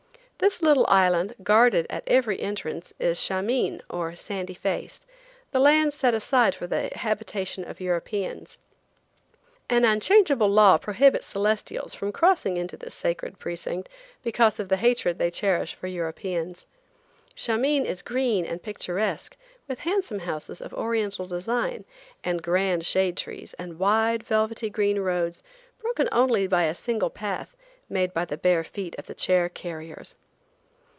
This little island, guarded at every entrance, is Shameen, or Sandy Face, the land set aside for the habitation of Europeans. An unchangeable law prohibits Celestials from crossing into this sacred precinct, because of the hatred they cherish for Europeans. Shameen is green and picturesque, with handsome houses of Oriental design, and grand shade trees, and wide, velvety green roads, broken only by a single path, made by the bare feet of the chair carriers.